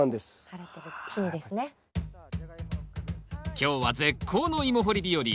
今日は絶好のイモ掘り日和。